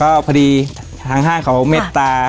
ก็พอดีทางห้างเขาเมตตา